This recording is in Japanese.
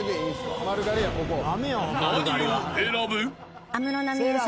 ［何を選ぶ？］